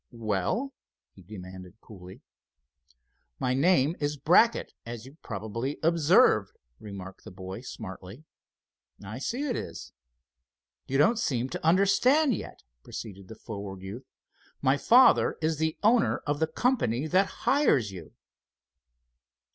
"Well?" he demanded, coolly. "My name is Brackett, as you probably observe," remarked the boy, smartly. "I see it is." "You don't seem to understand yet," proceeded the forward youth. "My father is the owner of the company that hires you."